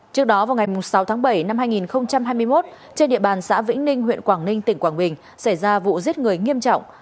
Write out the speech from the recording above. trước đó vào ngày sáu tháng bảy năm hai nghìn hai mươi một trên địa bàn xã vĩnh ninh huyện quảng ninh tỉnh quảng bình xảy ra vụ giết người nghiêm trọng